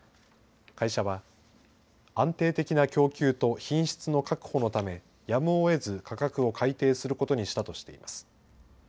会社は安定的な供給と品質の確保のため、やむをえず価格を改定することにしたとしています。